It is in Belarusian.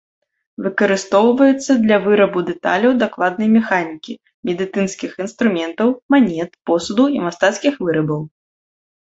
Выкарыстоўваецца для вырабу дэталяў дакладнай механікі, медыцынскіх інструментаў, манет, посуду і мастацкіх вырабаў.